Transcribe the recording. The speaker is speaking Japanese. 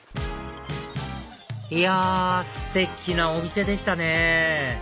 いやステキなお店でしたね